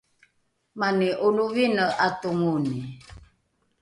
mani ’olovine ’atongoni